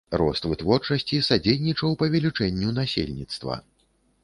Рост вытворчасці садзейнічаў павелічэнню насельніцтва.